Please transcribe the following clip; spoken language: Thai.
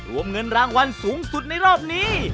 รวมเงินรางวัลสูงสุดในรอบนี้